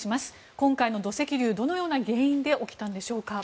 今回の土石流どのような原因で起きたんでしょうか。